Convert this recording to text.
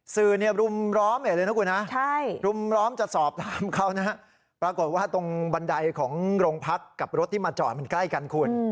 สื่อรุมล้อมใหญ่เลยนะคุณนะรุมล้อมจะสอบถามเขานะฮะปรากฏว่าตรงบันไดของโรงพักกับรถที่มาจอดมันใกล้กันคุณ